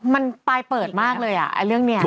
มันปลายเปิดมากเลยอ่ะเรื่องนี้